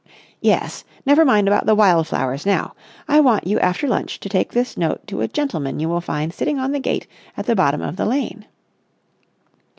"Yes, never mind about the wild flowers now. I want you after lunch, to take this note to a gentleman you will find sitting on the gate at the bottom of the lane...."